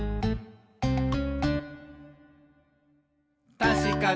「たしかに！」